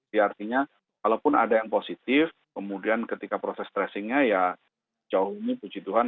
di artinya walaupun ada yang positif kemudian ketika proses tracingnya jauh ini puji tuhan